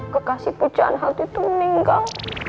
kekasih pujaan hati tuh meninggal